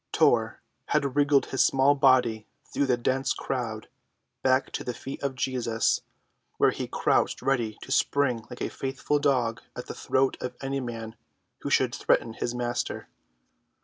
Tor had wriggled his small body through the dense crowd back to the feet of Jesus, where he crouched ready to spring like a faithful dog at the throat of any man who should threaten his Master.